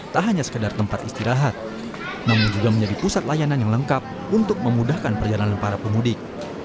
tak hanya sekedar tempat istirahat namun juga menjadi pusat layanan yang lengkap untuk memudahkan perjalanan para pemudik